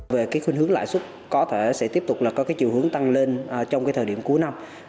về khuyến hướng lãi suất có thể sẽ tiếp tục có chiều hướng tăng lên trong thời điểm cuối năm